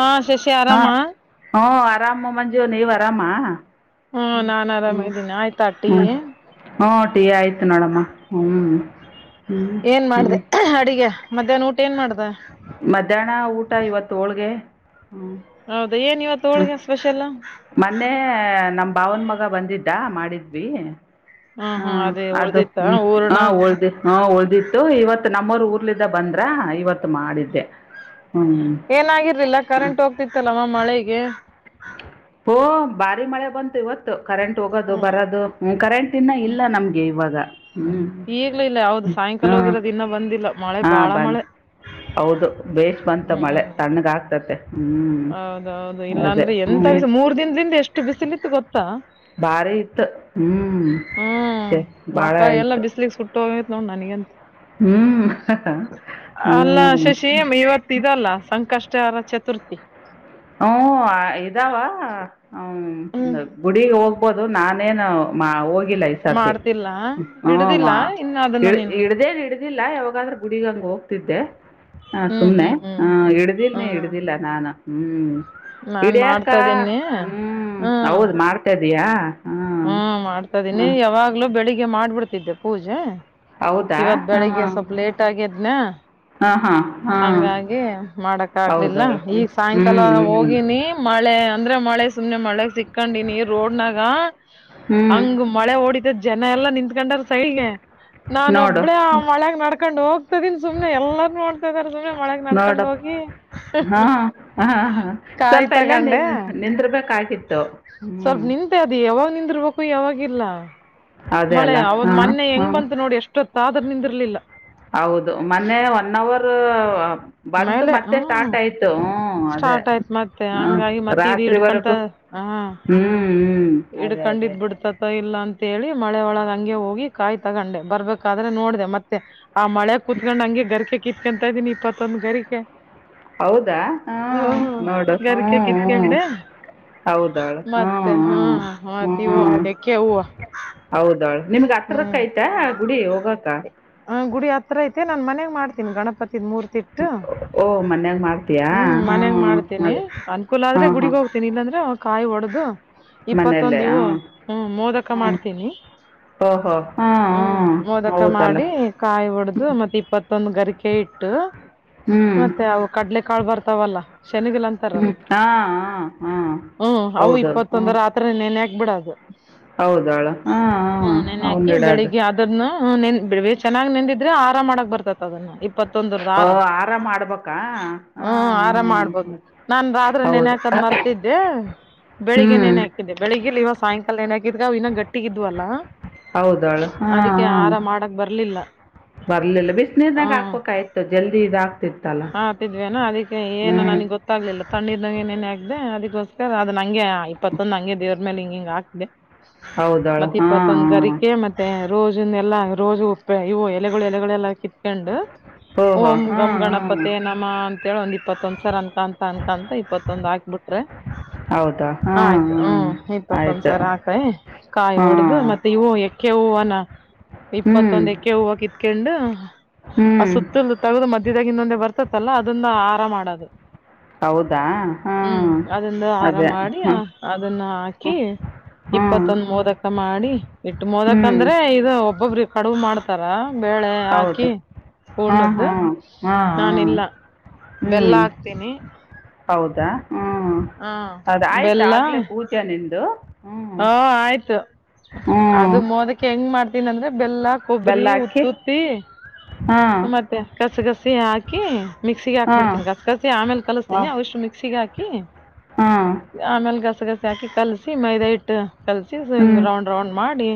ಹಾ ಶಶಿ ಆರಾಮಾ ಆರಾಮು ಮಂಜ ನೀವ್ ಆರಾಮ [inaudible] ನಾನ್ ಆರಾಮ ಹ್ಮ ಇದ್ದೀನಿ ಆಯ್ತಾ ಟೀ ಹ್ಮ ಹು ಟೀ ಆಯ್ತು ನೋಡಮ್ಮ ಹ್ಮ್ ಏನ್ ಮಾಡ್ದ ಹ್ಮ್ [unintelligible] ಅಡಿಗೆ ಮಧ್ಯಾನ್ ಊಟ ಏನ್ ಮಾಡ್ ದೆ ಮಧ್ಯಾಹ್ನ ಊಟ ಇವತ್ತು ಹೋಳ್ಗೆ ಹ್ಮ್ ಹೌದ ಏನ್ ಇವತ್ತು [inaudible] ಹ್ಮ ಹೋಳಿಗೆ ಸ್ಪೆಷಲ್ ಹ್ಮ [inaudible] ಮೊನ್ನೆ ನಮ ಬಾವನ್ ಮಗ ಬಂದಿದ್ದ್ ದಾ ಮಾಡಿದ್ವಿ ಹ್ಮ ಅದೇ ಅದು ಉಳ್ದಿತ್ತ ಹ್ಮ ಊರ್ಣ ಹಾ ಉಳ್ದಿ ಹ ಉಳ್ದಿತ್ತು ಇವತ್ತು ನಮ್ಮರು ಊರ್ಲಿಂದ ಬಂದ್ರ ಇವತ್ತು ಮ [inaudible] ಏನಾಗಿರ್ಲಿಲ್ಲ ಕರೆಂಟ್ ಹೋಗ್ತಿತ್ತಲ್ಲಮ ಮಳೆ ಏ [inaudible] ಹೋ ಭಾರಿ ಮಳೆ ಬಂತು ಇವತ್ತು ಕರೆಂಟ್ ಹೋಗೋದು ಹ್ಮ್ ಬರೋದು ಕರೆಂಟ್ ಇನ್ನ ಇಲ್ಲ ನಮ್ಗೆ ಇವಾಗ ಹ್ಮ್ ಈಗ್ಲೂ ಇಲ್ಲ ಹೌದು ಸಾಯಂಕಾಲ ಹ್ಮ ಹೋಗಿರೋದು ಇನ್ನ ಬಂದಿಲ್ಲ ಮಳೆ ಹಾ ಬಾಳ ಬನ್ ಮಳೆ ಹೌದು ಬೇಷ ಬಂತು ಮಳೆ ಹ್ಮ್ ತಣ್ಣಗ ಆಗ್ತತೆ ಹೌದೌದು ಇಲ್ಲಾ ಅಂದ್ರೆ ಹ್ಮ್ ಎಂತಸ ಮೂರ್ ದಿನದಿಂದ ಎಷ್ಟು ಬಿಸಿಲಿತ್ತು ಗೊ ಭಾರಿ ಇತ್ ಹ್ಮ್ ಹ್ಮ್ [unintelligible] ಬಾಳ ಇತ್ತ [unintelligible] ನನ್ಗೆ ಅಂತ [inaudible] ಅಲ್ಲ ಹ್ಮ್ ಶಶಿ ಇವತ್ತಲ್ಲ ಸಂಕಷ್ಟ ಚರ ಚತುರ್ಥಿ ಹಓ ಇದಾವ ಹ ಹ್ಮ್ ಹ್ಮ್ ಬುಡಿ ಹೋಗ ಬೊದು ನಾನೇನು [unintelligible] ಿಲ್ಲ ಈ ಸತಿ ಮಾಡ್ತಿಲ್ಲ ಹಿಡ್ದಿಲ್ಲ ಹವಾ ಇನ್ನ ಇ ಅದನ್ನ ನೀನು ಇಡ್ದೇನ್ ಇಡ್ದಿಲ್ಲ ಯಾವಾಗಾದ್ರೂ ಗುಡಿಗಂಗು [unintelligible] ಹ ಹ್ಮ್ ಸುಮ್ನೆ ಹ್ಮ್ ಹ್ಮ್ ಹ ಇಡ್ದಿಲ್ ನೀ ಹ್ಮ್ ಇಡ್ದಿಲ್ಲ ನಾನು ಹ್ಮ್ಮ್ ನಾನ್ ಇಡ್ಯಾಕ ಮಾಡ್ತದೀನಿ ಹ್ಮ್ ಹೌದ್ ಮಾಡ್ತಾ ತಿಯಾ ಹ್ಮ್ ಮಾಡ್ತಾದೀನಿ ಯಾವಾಗ್ಲೂ ಬೆಳಿಗ್ ಹಗೆ ಮಾಡ್ಬಿಡ್ತಿದ್ದೆ ಪೂಜೆ ಹೌದಾ ಇವತ್ ಹಾಂ ಬೆಳಿಗ್ಗೆ ಸ್ವಲ್ಪ ಲೇಟ್ ಆಗದ್ನ ಹಾಂ ಹಾಂ ಹಾಂ ಹಂಗಾಗಿ ಮಾಡಕ್ ಆಗ್ಲಿಲ್ಲ ಹೌದವಳು ಈಗ ಹ್ಞೂ ಸಾಯಂಕಾಲ ಹ್ಞೂ ಹ್ಞೂ ಹೋಗಿನಿ ಮಳೆ ಅಂದ್ರ ಮಳೆ ಸುಮನೆ ಮಳೆ ಸಿಕ್ ಹಕೊಂಡಿನಿ ರೋಡ್ನಾಗ ಹ್ಞೂ ಹಂಗ ಮಳೆ ಓಡಿತ ಜನ ಎಲ್ಲ ನಿಂತ್ಕಂಡರ್ ಸೈಡ್ಗೆ ನಾನ ನೋಡು ಒಬ್ಳೇ ಮಳೆಾಗ ನ ಕೊಂಡು ಹೋಗ್ತದೀನ್ ಸುಮ್ನೆ ಎಲ್ಲಾರ್ೂ ನೋಡ ಹಾ ಹಾ ಹಾ ಕಾಯ್ ಸ್ವಲ್ಪ ಎಲ್ಲಾ ನಿ ತಗಂಡೆ ನಿಂದರ್ಬೇಕಾಗಿತ್ತು ಹ್ಮ್ ಿರ್ಬೇಕು ಯಾವಾಗಿಲ್ಲ ಅದೇ ಮಳೆ ಅಲ್ಲ ಅವದ್ ಹ ಮೊನ್ನೆ ಹ ಹೆಂಗ್ ಬಂತು ನೋಡಿ ಎಷ್ಟೊತ್ತ ಆದ್ರೂ ನಿಂದಿರ್ಲಿಲ್ಲ ಹೌದು ಮೊನ್ನೆ ಒನ್ ಅವರ್ ಬಂದು ಮೇಲೆ ಮತ್ತೆ ಹ್ಮ್ ಸ್ಟಾರ್ಟ್ ಆಯ್ತು ಹ್ಮ್ ಅದೇ ಸ್ಟಾರ್ಟ್ ಆಯ್ತ್ ಮತ್ತೆ ಹ್ಮ ಹಂಗಾಗಿ ಮತ್ತೆ ಇದು ಹಿಡ್ಕಂತ ರಾತ್ರಿವರೆಗೂ ಹಾ ಹ್ಮ್ ಹ್ಮ್ ಅದೇ ಅದೇ ಹಿಡ್ಕೊಂಡಿದ್ ಬಿಡ್ತತೋ ಇಲ್ಲ ಅಂತೇಳಿ ಮಳೆ ಒಳಗ ಹಂಗೆ ಹೋಗಿ ಕಾಯಿ ತಗೊಂಡೆ ಬರ್ಬೇಕಾದ್ರೆ ನೋಡ್ದ ಮತ್ತೆ ಆ ಮಳೆ ಕೂತ್ಕಂಡ್ ಹಂಗೆ ಗರಿಕೆ ಕಿತ್ಕೊಂತ ಇದ್ದೀನಿ ಇಪ್ಪತ್ತೊಂದ ಗರಿಕೆ ಹೌದಾ ಹ್ಮ ನೋಡು ಗರಿಕೆ ಹ್ಮ್ಮ ಕಿತ್ಕೊಂಡೆ ಹೌದವಳು ಮತ್ತೆ ಹ್ಮ್ ಹ್ಮ ಮತ್ ಹ್ಮ ಇವು ಹ್ಮ್ ಎಕ್ಕೆ ಹೂವು ಹೌದಳ ನಿಮ್ಗ್ ಹತ್ರ ರಕ್ಕ ಹ್ಮ್ ಆಯ್ತಾ ಕುುಡಿ ಹೋಗಾಕಾ ಹ ಗುಡಿ ಆತ್ರ ಐತೆ ನಾನ್ ಮನ್ಗ್ ಮಾಡ್ತೀನಿ ಗಣಪತಿ ಮೂರ್ ತಿಟ್ಟು ಓ ಮನ್ಯಾಗ ಮಾಡ್ತೀಯಾ ಹ್ಮ್ ಮನ್ಯಂಗ ಮಾಡ್ತೇನಿ ಅದೇ ಅನ್ಕೂಲ ಹಾ ಆದ್ರೆ ಹಾ ಗುಡಿಗ್ ಹೋಗ್ತೇನಿ ಇಲ್ಲಾಂದ್ರೆ ಕಾಯಿ ಒಡದು ಮನೆಯಲ್ಲೇ ಹಾ ಮೋದಕ ಹ್ಮ್ ಮಾಡ್ತೀನಿ ಹೋ ಹಾ ಹ್ಮ್ ಮೋದಕ ಹೌದಲ್ಲ ಮಾಡಿ ಕಾಯಿ ಹೊಡ್ದು ಮತ್ತೆ ಇಪ್ಪತ್ತೊಂದು ಗರಿಕೆ ಇಟ್ಟು ಹ್ಞೂ ಮತ್ತೆ ಅವು ಕಡ್ಲೆ ಕಾಳ ಬರ್ತಾವಲ್ಲ ಹ್ಞೂ ಶನಿಗಗಳಂತಾರಲ್ಲ ಹಾಂ ಹಾಂ ಹಾಂ ಹ್ಮ್ ಅವು ಇಪ್ಪತ್ತೊಂದರ ಆತ್ರರನ್ನೇನ್ ಯಾಕೆ ಕ ಬಿಡಾದು ಹೌದಾಳ ಹಾ ಹ ಅವನ್ಿಡ ಅದು ಹ ನೇನ್ ಬಿಡ್ಬೇಕ ಚೆನ್ನ್ೆಂದಿದ್ರೆ ಆರಾಮ್ ಮಾಡಕ್ ಬರ್ತತ್ ಅದನ್ನ ಇಪ್ಪತ್ತೊಂದರದ ಓ ಆರ ಹಾರ ಮಾಡ್ಬೇಕಾ ಹ್ಮ ಹಾಂ ಆರಾಮ ಹಾಂ ಮಾಡ್ಬೋದು ನಾನ ರಾತ್ರಿ ನೆನೆ ಹೌದು ಹಾಕದ್ ಮರ್ತಿದ್ದೆ ಹ್ಞೂ ಬೆಳಿಗ್ಗೆ ನೆನೆ ಹಾಕಿದ್ದೆ ಬೆಳಿಗ್ಲ್ ಇವ ಸಾಯಂಕಾಲ ನೆನೆ ಹಕ ಗಾವ್ ಇಿನಾಗ ಗಟ್ಟಿಗ ಇದ್ವಲ್ಲಾ ಹೌದಾಳ ಹಾ ಹ ಬರ್ಲಿಲ್ಲ ಬರ್ಲಿಲ್ಲ ಬಿಸಿನೀರ್ನಾಗ ಹಾಕ್ಬೇಕಾಯ್ತು ಜಲ್ದಿ ಇದದು ಹಾಕ್ ಹಾತಿದ್ವಿೇನ ಅದಿಕ್ಕೆ ಹ್ಞೂ ಏನು ನನಗೆ ಗೊತ್ತ್ಲಿಲ್ಲ ತಣ್ಣೀರ್ನಾಗ ಏನೇನ ಆಾಕ್ದೆ ಅದಕ್ಕೆ ಸ್ ಅ ಹಂಗೆ ಇಪ್ಪತ್ತೊಂದು ಹಂ ದೇರ್ ಮೇಲೆ ಹಿಂಗ ಹಾಕ್ದೆ. ಹೌದಾಳು ಮತ್ತ ಹಾಂ ಹಾಂ ಪಸಂದಗಿಕ ಮತ್ತೆ. ರೋಜನ್ಲ್ಲ ರೋಜು ಉ ಇವು ಎಲೆಗಳು ಎಲೆಗಳೆಲ್ಲಾ ಕಿ. ಓಹೋ ಓಂ ಗಮ ಹಾಂ ಗಣ. ಹಾಂ ಮತ್ತೆ ನಮ್ಮ. ಕೆಳೊಂದ. ಇಪ್ಪತ್ತೊಂದ್ಸರ ಅನ್ಕಾಂತ ಅನ್ಕಾಂತ ಇಪ್ಪತ್ತೊಂದ ಹಾಕ್ಬಿಟ್ರೆ ಹೌದಾ ಹಾಂ ಆಯ್ತು ಹಾಂ ಹ್ಮ್ ಆಯಿತು ಇಪ್ಪತ್ತೊಂದ್ಸರ್ ಹಾಕೈ ಕಾಯಿ ಹೊಡ್ದ ಹಾಂ ಮತ್ತೆ ಇವು ಎಕ್ಕೆ ಹೂವನ ಹ್ಮ್ ಇಪ್ಪತ್ತೊಂದ್ ಎಕ್ಕೆ ಹೂವು ಕಿತ್ಕೊಂಡು ಆ ಹ್ಮ್ ಸುತ್ತಲ ತಗದು ಮಧ್ಯದಾಗಿಿಂದೊಂದ. ಬರ್ತತ್ತಲ್ಲ ಅದನ್ನ ಆರಾಮ ಮಾಡೋದು. ಹೌದಾ ಹ್ಮ್ ಹಾಂ ಅದಂದು ಆರಾಮ ಅದೇ ಮಾಡಿ ಹ್ಞೂ ಅದನ್ನ ಹಾಕಿ ಹ್ಞೂ ಹ್ಞೂ ಇಪ್ಪತ್ತೊಂದ ಮೋದಕ ಮಾಡಿ ಇಟ್ಟ ಮೋದಕ ಹ್ಞೂ ಅಂದ್ರೆ ಇದು ಒಬ್ಬೊಬ್ರ. ಕಡುವು ಮಾಡ್ತಾರ. ಬೇಳೆ ಹಾಕಿ ಹೌದು ಹಾಂ ಪೂರ್ಣದ್ದ. ಹಾಂ ಹಾಂ ನಾನ ಹಾಂ ಇಲ್ಲ ಹ್ಞೂ ಬೆಲ್ಲ ಹಾಕ್ತೀನಿ. ಹೌದಾ. ಹ್ಮ್ ಹ ಅದ ಆಯ್ತು ಬೆಲ್ಲ ಆಗ್ಲೇ ಪೂಜೆ ನಿ್ದ. ಹ ಆಯ್ತು ಹ್ಞೂ ಅದು ಮೋದಕ್ಕೆ ಹೆಂಗ್ ಮಾಡ್ತೀನ ಅಂದ್ರೆ. ಬೆಲ್ಲ ಕೊಬ್ಬರಿ ಬೆಲ್ಲ ಹಾಕಿ ಉುತ್ತುತ್ತಿ ಹಾಂ ಮತ್ತೆ ಕಸಗಸ. ಸಯಕ. ಮಿಕ್ಸಿಗೆ ಹಾಂ ಹಾಬಿಡ್ತೀಿ ಕಸಿ ಆೇಲೆ ವಾ ಕಿಸಸ್ೀನಿಷ್ಟುಿಸಿಗೆ ಹಾಿ. ಹಾಂ ಕ. ಆಮೇಲೆ ಗಸಗಸ. ಿ ಕಲ್ ಸಿ ಮೈದ ಇ. ಅಟ್ಟ. ಕಲ್ಸಿ ಹ್ಞೂ ಹಿಂಗ ರೌಂಡ್ ರೌಂಡ್ ಮಾಡಿ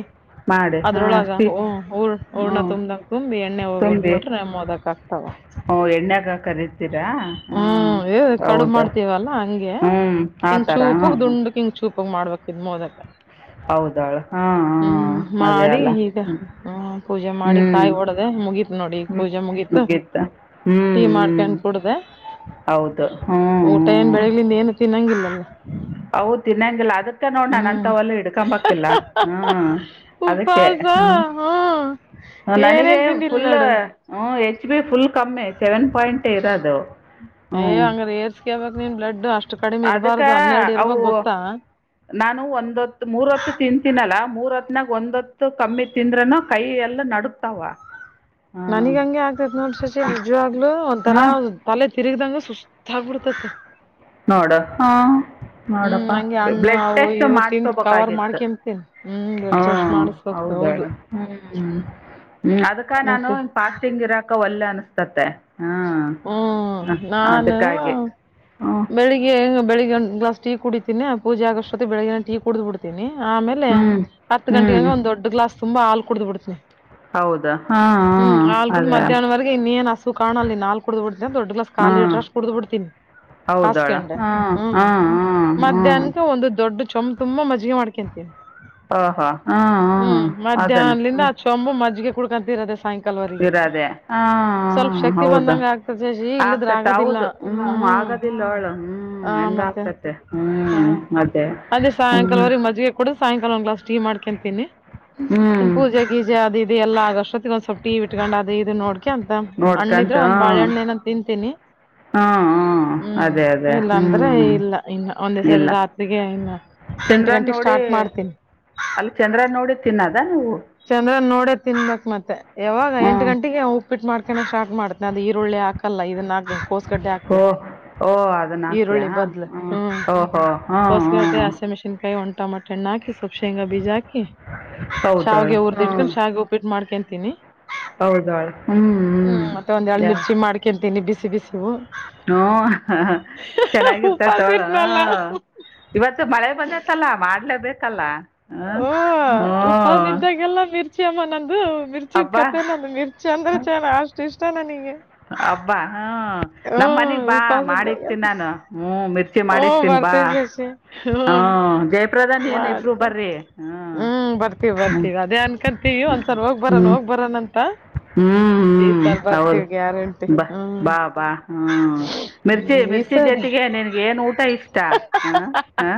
ಮಾಡಿ ಹಾಂ ಅದ್ರೊಳಗ ಸ್ಟಿ ಹ ಹ ಹ್ಞೂ ಹಊರ್ನ ತುಂಬ್ದಂಗ ತುಂಬಿ ಎಣ್ಣೆ ತುಂಬಿ ಹೋಗದ್ಬಿಟ್ರೆ ಮದಕ್ ಆಕ್ತಾವ ಹ್ಞೂ ಎಣ್ಣೆಗೆ ಕರಿತೀರಾ ಹಾಂ ಹ್ಮ ಕಡು ಹೌದು ಮಾಡ್ತವಲ್ಲಾ ಹಂಗೆ ಹ್ಞೂ ಆ ಹಿಂಗ ಥರ ಚೂಪಗ ಹಾಂ ದುಂಡಕ್ ಹಿಂಗ ಚೂಪೋಗ ಮಾಡ್ಬೇಕ. ಇದು ಮೋದತ್ತ. ಹೌದಾಳ ಹಾ ಅದೇ ಮಾಡಿ ಅಲ್ಲ ಈಗ ಹ್ಮ್ ಹ್ಮ ಪೂಜೆ ಮಾಡಿ ಹ್ಮ್ ಕಾಯಿ ಒಡ್ದ ಮುಗೀತ್ ನೋಡಿ ಈಗ ಹ್ಮ್ ಪೂಜೆ ಮುಗೀತು ನಗಿತ್ತ ಟೀ ಹ್ಮ್ ಮಾಡ್ಕೊಂಡ್ ಹ್ಮ ಕುಡ್ದ ಹೌದು ಹ್ಮ. ಇನ್ನ ಗಿಲ್ಲಲ್ಲ. ಹೌದ ತಿನ್ನಂಗಿಲ್ಲ ಅದ. ಅ ನೋ ನಾನು ಅಂತ ಒಲ್ಲ ಹಿಡ್ಕೊಂಬಿಲ್ಲ ಹ್ಮ್ ಅದಕ್ಕೆ ಉಪವಾಸ ಹ ಹ್ಮ ನನಗ ಏನೇನ್ ತಿಂದಿಲ್ ಫುಲ್. ನೋಡು ಫುಲ್ ಕಮ್ಮ್ ಸೆವೆನ್. ಪಾಯಿಂಟ್ ಇರೋದು ಏ ಹ್ಞೂ. ಹಂಗ್ರ ಏರ್ಸ್ಕೇಬಕ್ ನೀನ್ ಬ್ಲಡ್ ಅಷ್ಟು ಕಡಿಮೆ ಅದಕ್ಕ ಇರಬಾರ್ದು ಹನ್ನೆರಡು ಅವು ಇರ್ಬಕ್ ಗೊತ್ತಾ ನಾನು ಒಂದ್ತ್ತು ಮೂರ ಹೊತ್ತು ತಿಂತೀನಲ್ಲ ಮೂರ್. ತ್ನಾಗ ಒಂದತ್ತು ಕಮ್ಮಿ ತಿಂದ್ರನು ಕೈ ಎಲ್ಲ ನಡತಾವ. ನನಗ್ ಹಂಗೆ ಆಗ್ತತ್ ನೋಡ ಸಚ ವಿಜ್ವಾಗ್ಲು ಒಂಥರಾ ತಲೆ ತಿರುಗದಾಗ ಸುಸ್ ನೋಡ ಹಾ ಹ್ಮ್ ನಂಗೆ ಹಣ್ಣು ಬ್ಲಡ್ ಅವು ಟೆಸ್ ಇವು ತಿಂದು ಮಾಡಕೋಬೇಕ ಕವರ್ ಮಾಡ್ಕಂತೀನಿ ಹ್ಮ್ ಹ ಬ್ಲಡ್ ಟೆಸ್ಟ್ ಮಾಡಸ್ಬೇಕು ಹೌದು ಅದ ಮತ್ತೆ ನಸ್್ ಒಲ್ಲೆ ಅನಿಸ್ತತ್ತತೆ ಹಾ ಹ್ಮ್ ಅದ ನಾನು ಹಾಗೆ ಹ್ಮ ಬೆಳಗ್ ಒ್ಾ ಟ ಕುಡೀಿನಿ ಆ ಪೂಜೆಗೋಷ್ಟೊ ಬೆಳಗ್ಗ ಟ ಕುಡ್ ಬಿಡ್ತಿನಿ ಆಮೇಲೆ ಹ್ಮ್ ಹತ್ತು ಹ್ಮ್ ಗಂಟೆಗೆಗ ಒಂದ್ ದೊಡ್ ಗ್ಲಾಸ್ ತುಂಬಾ ಹಾಲ್ ಕುಡ್ದು ಬಿಡ್ತನಿ ಹೌದಾ ಹಾ ಅದೇ ನ ಕುಡ ದೊ ಕ ಹ್ಮ್ ಕುಡ ಬಿಡ್ ಹೌದಾಳ ಕೊಂಡ ಹ್ಮ್ ಹ್ಮ್ ಹ್ಮ್ ಹ್ಮ್ ಹ ಒ ದೊ ಚು ಮಜ್ ಓಹೋ ಹ್ಮ್ ಹ್ಮ್ ಅದನ್ನ ಹ್ಮ್ ಮಾಡ ಮ ಮಜ್ಿಗೆಗೆ ಕುಡ್ಕಂತೀರದೆ ಇರದೆ ಹ ಸ್ವಲ್ಪ ಹ ಶಕ್ತಿ ಹೌದಾ ಬಂದಂಗ ಆಗ್ತದೆ ಶಶಿ ಇಲ್ಲದ್ರ ಆಗ್ತತೆ ಆಗದಿಲ್ಲ ಹೌದು ಹ್ಮ್ ಆಗದಿಲ್ಲ ಅವಳು ಹ ಹ್ಮ್ ಎಂಗ ಮತ್ತೆ ಆಗ್ತತೆ ಹಾ ಹ್ಮ್ ಅದೇ ಹ್ಮ್ ಸಾಯಂಕಾಲವರೆಗೆ ಮಜ್ಜಿಗೆ ಸಾಯಂಕಾಲ ಕ್ಾ ಮಾಡ್ಕೊಂತೀನಿ ಇನ್ ಹ್ಮ್ ಪೂಜೆ ಗೀಜ ಅ ಇದೆಲ್ಲ ಅಷ್ಟೊತ್ತಿಗೆ ಒಂದ ಸ್ವಲ್ಪ ಟಿ ಇಟ್ಕೊಂಡ್ ಅದು ಇದು ನೋಡ್ಕ ಅಂತ ನೋಡ್ಕಂತ ಹಣ್ಣಿದ್ರೆ ಒಂದ್ ಬಾಳೆಹಣ್ಣ ಹ್ಮ ಏನ ತಿಂತೀನಿ ಹ್ಮ್ ಅದೇ ಅದೇ ಇಲ್ಲ ಅಂದ್ರೆ ಹ್ಮ್ ಇಲ್ಲ ಇನ್ನ ಒಂದೇ ಸರಿ ಇಲ್ಲ ರಾತ್ರಿಗೆ ಇನ್ನ ಎಂಟು ಚಂದ್ರನ್ ಗಂಟೆಗೆ ನೋಡಿ ಸ್ಟಾರ್ಟ್ ಮಾಡ್ತೀನಿ ತಿನ್ನದವು ಚಂದ್ರನ್ ನೋಡೇ ತಿನ್ಬೇಕಕ್ ಮತ್ತೆ ಯಾವಾಗ ಎಂಟ ಹ್ಮ್ ಗಂಟೆಗೆ ಉಪ್ಪಿಟ್ಟ ಮಾಡ್ಕಾನ ಸ್ಟಾರ್ಟ್ ಮಾಡ್ತನೆ ಅದು ಳ ಹಾಕಲ್ಲ ಇದನ್ನ ಕೋಸ್ಗಡ್ಡೆ ಹಗ್ತನಿ ಓಹ ಅದನ್ನ ಆಗ್ತಯಾ ಹ ಓಹೋ ಹ್ಮ್ ಹ್ಮ ಟಮಾಟೆಣ್ಣ ಹಾಕಿ ಸುಪ್ ಶೇಂಗ ಬಜ ಹಾಕಿ ಹೌದಾಳ ಶಾವಾಗಿಗೆ ಉಊರ್ದಿ ಇಟ್ಕೊಂಡು ಶಾವಿಗೆ ಉಪ್ಪಬಿಟ್ಟು ಮಾಡ್ಕ ತಿಿ ಹೌಳದಳ ಹ್ಮ್ ಹ್ಮ್ ಯ ಸಿಗ ಸಿವು ಹ್ಮ ಹ ಉಪವಾಸ ಚೆನ್ನಾಗಿರ್ತತೋಳ ಇರ್ತ್ನಲ್ಲ ಇವತ್ತು ಮಳೆ ಬಂದತ್ತಲ್ಲ ಮಾಡ್ಲೇಬೇಕ ಹಲ್ಲ ಓ ಉಪಾಸ ಇದ್ದಾಗೆಲ್ಲ ಮರ್ತ ಚಮನಂದು ಮಿರ್ಚಿದ ಹಬ್ಬ ಕತೆೆ ನಂದು ಮಿರ್ಚಿ ಅಂದ್ರೆ ಚೆ ಅಷ್ಟು ಇಷ್ಟ ನಗೆ ಅಬ್ಬಾ ಹ್ಮ್ ನಮ್ಮ ಮನಗ್ ಬಾ ಉಪವಾಸ ಇದ್ದಾಗ ಮಾಡಿಕ್ತೀನ್ಿ ನಾನು ಹ್ಮ್ ಮಿರ್ಚಿ ಹ್ಮ್ ಮಾಡಿಕ್ತೀನ್ಿ ಬಾ ಬರ್ತೇವಿ ಶಶಿ ಹ್ಮ್ ಜಯಪ್ರಧನ್ ಏನು ಇಬ್ರು ಮಾಡ್ಕೊಂಡ್ ಬರಿ ಹ್ಮ್ ಬರ್ತೀವಿ ಹ್ಮ್ ಬರ್ತೀವಿ ಅದೇ ಅನ್ಕಂತೀವಿ ಒಂದ್ಸಲ ಹೋಗ್ ಬರೋಣ ಹ್ಮ್ ಹೋಗ್ ಬರೋಣ ಅಂತ ಹ್ಮ್ ಈ ಹ್ಮ್ ಸಲ ಹೌದು ಬರ್ತೀವಿ ಗ್ಯಾರಂಟಿ ಬ ಹ್ಮ್ ಬಾ ಬಾ ಹ್ಮ ಮಿರ್ಚಿ ಈ ಮಿರ್ಚಿ ಸರಿ ಜೊತಿಗೆ ನನ್ಗೆ ಏನ್ ಊಟ ಇಷ್ಟ ಹ ಹ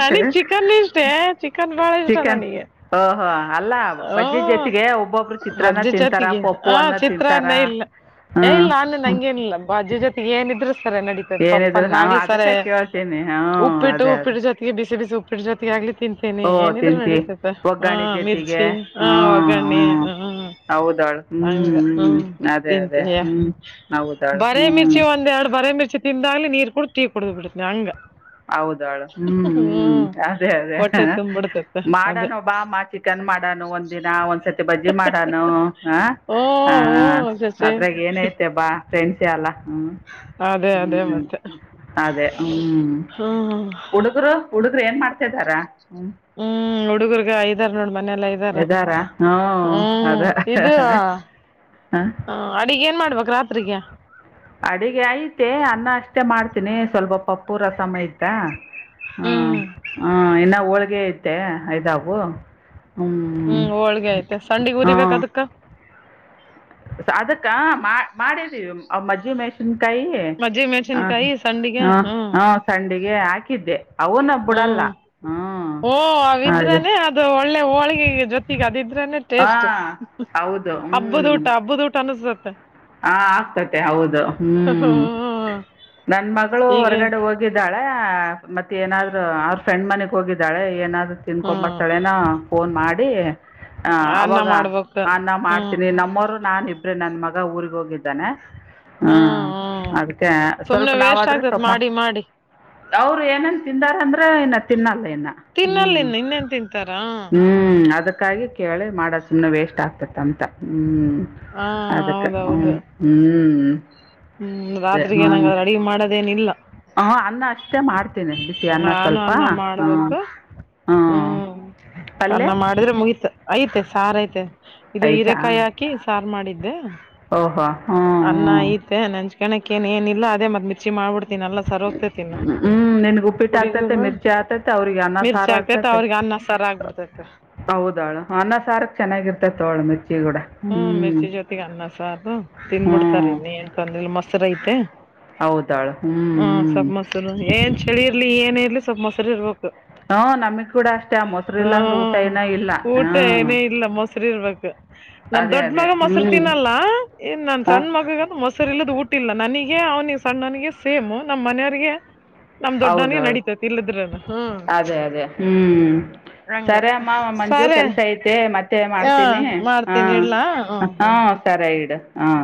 ನನಗ್ ಚಿಕನ್ ಇಷ್ಟೇ ಚಿಕನ್ ಬಾಳ ಇಷ್ಟ ಚಿಕನ್ ನನಗೆ ಹಓಹ ಅಲ್ಲ ಬಜ್ಜಿ ಜೊತೆಗೆ ಒಬ್ಬೊಬ್ರು ಚಿತ್ರಾನ ತಿನ್ ಆ ಚಿತ್ರನ್ನ ಇಲ್ಲ ಏ ಇಲ್ಲ ಅನ್ನ ಹ್ಞೂ ನಂಗೇನಿಲ್ಲ ಅಜ ಜೊತೆ ಏನ ಇದ್ರರು ಸರಿ ನಡೀತೈದೆ ಪಪ್ಪನ್ ಏನಿದ್ರು ಹಾಂ ಆಗ್ಲಿ ಸರಿ ಅದಕ್ಕೆ ಕೇಳ್ತೀನಿ ಹ್ಞೂ ಉಪ್ಪಿಟ್ಟು ಅದೇ ಅದೇ ಉಪ್ಪಿಟ್ಟ ಜೊತೆಗೆ ಬಿಸಿ ಬಿಸಿ ಉಪ್ಪಿಟ್ಟ ಜೊತೆಗೆ ಆಗ್ಲಿ ತಿಂತ ಓ ತಿಂತಿ ಒಗ್ಗಾಣಿ ಜೊತೆಗೆ ಮಿರ್ಚಿ ಹ ಹ್ಮ ಒಗ್ಗರಣೆ ಹ್ಮ್ ಹೌದಾಳು ಹ್ಮ್ ಹ್ಮ್ ಅದೇ ಅದೇ ಹ್ಮ್ ಹೌದ ಬರಿ ಮಿರ್ಚಿ ಒಂದ ಎರಡು ಬರ ಮಿರ್ಚಿ ತಿಿಂದಾಗಾಲ ನೀರು ಕುೂಡ ತೀ ಕೊಡ ಬಿಡ್ತನನೆ ಅಂಗ ಹೌದಳು ಹ್ಮ್ ಹ್ಮ್ ಅದೇ ಅದೇ ಹೊಟ್ಟೆ ತುಂಬ್ಬಿಡ್ತತೆ ಅದೇ ಮಾಡಾನ ಬಾ ಮಾ ಚಿಕನ್ ಮಾಡಾನ ಒಂದ್ ದಿನ ಒಂದ್ಸತಿ ಬಜ್ಜಿ ಮಾಡನು ಹ ಓ ಹ ಶಶಿ ಅದ್ರಾಗ ಏನಐತೆ ಬಾ ಫ್ರೆಂಡ್ಸ್ ಅ ಅಲ್ಲ ಹ್ಮ್ ಅದೇ ಅದೇ ಹ್ಮ್ ಮತ್ತೆ ಅದೇ ಹ್ಮ್ ಹ್ಮ್ ಹುಡುಗರು ಹುಡುಗರು ಏನ್ ಮಾಡ್ತಿದಾರ ಹ ಹ್ಮ್ುಗರ್ಗ ಐದಾರ ನೋ ಎದಾರಾ ಹ್ಮ ಅದ ಹಾಂ ಹಾ ಅಡಿಗೆ ಏನ್ ಮಾಡ ಬಕರಾತ್ರಿಕ ಅಡಿಗೆ ಐತೆ ಅನ್ನ ಅಷ್ಟೆ ಮಾಡ್ತೀನಿ ಸ್ವಲ್ಪ ಪ ಪೂರ ಸಮಯ್ದ ಹಾ ಹ್ಮ್ ಹಾ ಎ ಹೋಳ್ಿಗೆ ಐತೆ ಅಐದಾವು ಹ್ಮ್ ಹೋಳ್ಗೆ ಐತೆ ಸಂಡಗ್ ಉರಿಬೇಕ ಅದಕ್ಕ ಅದಕ್ಕ ಮಾಡಿದ್ದೀವಿ ಮಜ್ಜಿ ಮೆಷಿನ್ ಕೈಿ ಮಜ್ಜಿ ಹ ಮೆಣಸಿನ್ಕಾಯಿ ಸಂಡಿಗೆ ಹ ಹ್ಮ್ ಹಾ ಸಂಡಿಗೆ ಹಾಕಿದ್ದೆ ಅವನ್ನ ಬಿಡಲ್ಲ ಹ್ಮ್ ಹ್ಞೂ ಓ ಅವಿದ್ರನೆೇ ಅದು ಒಳ್ಳೆ ಹೋಳಿಗೆ ಜೊತೆಗೆ ಅದಿದ್ರನೆೇ ಟೇಸ್ಟ್ ಹಾಂ ಹೌದು ಹಬ್ಬದ ಊಟ ಹಬ್ಬದ ಊಟ ಹತ್ತ ಹ ಆಗ್ತತೆ ಹೌದು ಹ್ಮ್ ನನ್ ಮಗಳು ಹೀಗೆ ಹೊರಗಡೆ ಹೋಗಿದ್ದಾಳೆ ಮತ್ತೆ ಏನಾದ್ರೂ ಅವ್ರ ಫ್ರೆಂಡ್ ಮನೆಗೆ ಹೋಗಿದ್ದಾಳೆ ಏನಾದ್ರೂ ಹ್ಮ್ ತಿನ್ಕೊಂಬರ್ತಾಳೆನಾ ಫೋನ್ ಮಾಡಿ ಅನ್ನ ಅವಾಗ ಮಾಡ್ಬೇಕ ಅನ್ನ ಹ್ಮ್ ಮಾಡ್ತೀನಿ ನಮ್ಮವರು ನಾನ್ಿಬ್ ನನ್ನ ಮಗ ಊರಿಗೆ ಹೋಗಿದ್ದಾನೆ ಹಾ ಅದಕ್ಕೆ ಸ್ವಲ್ಪ ಸುಮ್ನೆ ವೇಸ್ಟ್ ನಾವಾದ್ರೆ ಆಗ್ತತ್ ಸ್ವಮ್ಮ ಮಾಡಿ ಮಾಡಿ ಅವರು ಏನೇನ್ ತಿಂದಾರ ಅಂದ್ರೆ ಇನ್ನ ತಿನ್ನಲ್ಲ ತಿನ್ನಲ್ಲ ಹ್ಮ್ ಇನ್ ಇನ್ನೇನ್ ತಿಂತಾರ ಹ್ಮ್ ಅದಕ್ಕೆ ಕಾಗಿ ಕೇಳೆ ಮಾಡೋದು ಸುಮ್ನೆ ವೇಸ್ಟ್ ಆಗ್ತತೆ ಅಂತ ಹ್ಮ್ ಹಾ ಹ ಹೌದು ಹ್ಮ್ ಹ್ಮ್್ಮ ಹ್ಮ್ ರಾತ್ರಿ ಏನಂಗ ರೆಡಿ ಮಾಡದ ಅದೇನಿಲ್ಲ ಹ ಅನ್ನ ಅಷ್ಟೇ ಮಾಡ್ತೇನಿ ಬಿಸಿ ಅನ್ನ ನಾನು ಸ್ವಲ್ಪ ಅನ್ನ ಹ ಮಾಡ್ಬೇಕು ಹ್ಮ್ ಪಲ್ಲೆ ಅನ್ನ ಮಾಡಿದ್ರೆ ಮುಗೀತ ಐತೆ ಸಾರ ಐತೆ ಇದು ಹೀರೆಕಾಯಿ ಹಾಕಿ ಸಾರು ಮಾಡಿದ್ದೆ ಓಹೋ ಹ್ಞೂ ಅನ್ನ ಈ ನನ್ ಅಂಜ ಕಣಕ ಏ ಏ ಇಿಲ್ಲ ಅೇತ್ತ ಮರ್ಚಿ ಮಾಡ್ಬಿತ ಹ್ಮ್ ನನ್ಗ ಉಪ್ಪಿಟ್ಟ ಆಗ್ತತೆ ಹುಡುಗನು ಮಿರ್ಚಿ ಆಗ್ತೈತೆ ಅವ್ರಿಗೆ ಅನ್ನ ಮಿರ್ಚಿ ಸಾರ ಆಗ್ತೈತೆ ಆಗ್ತತೆ ಅವ್ರಿಗೆ ಅನ್ನ ಸಾರ್ ಆಗ್ಬಿಡ್ತೈತೆ ಹೌದಳು ಅನ್ನ ಸಾರಕ್ ಚೆನ್ನಾಗಿರ್ತತೆ ಅವಳು ಮಿರ್ಚಿ ಕೂಡ ಹ್ಮ್ ಹ್ಞೂ ಮಿರ್ಚಿ ಜೊತೆಗೆಗ್ ಅನ್ನ ಸಾರು ಹ್ಞೂ ತಿನ್ಬಿಡ್ತಾರ ನೀ ಏನ್ಂತಂದಿಿಲ್ಲ ಮೊತ್ ಐತೆ ಹೌದಾಳು ಹ್ಞೂ ಹ್ಮ ಹ್ಞೂ ಸಲ್ ಮೊಸೂರು ಏನ್ ಚಳಿ ಇರ್ಲಿ ಏನ್ ಮನೇಲಿ ಸ್ಲ್ ಮೊಸರಿ ಇರ್ಬೇಕು ಹ್ಮ ನಮಗ್ ಕೂಡ ಅಷ್ಟೇ ಆ ಮೊಸರು ಇಲ್ಲಾ ಅಂದ್ರೆ ಊಟ ಹ್ಮ ಏನ ಇಲ್ಲ ಊಟ ಹ್ಮ ಏನೇ ಇಲ್ಲ ಮೊಸರು ಇರ್ಬೇಕು ನನ್ ದೊಡ್ಡ ಮಗ ಮೊಸರು ತಿನ್ನಲ್ಲ ಇ ನನ್ ಹಾಂ ಸಣ್ಣ ಮಗ ಮೊಸರು ಇಲ್ಲದ ಊಟ ಇಿಲ್ಲ ನ ನಿಗೆ ಅವ್ನಿ ಸಣ್ಣನಿಗೆ ಸೇಮ್ ನಮ್ಮ್ ಮನೆಯವಿಗೆ ಹೌದೌಳ ಅದೇ ಅದೇ ಹ್ಮ್ ಹಂಗ ಸರಿ ಅಮ್ಮ ಮಂಜು ಸರಿ ಕೆಲ್ಸ ಐತೆ ಮತ್ತೆ ಹ ಮಾಡ್ತೀನಿ ಹಾ ಮಾಡ್ತೀನಿ ಹಾ ಸರಾಗಿಡು ಹ